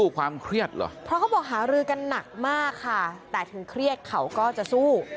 กันหนักมากค่ะแต่ถึงเครียดเขาก็จะสู้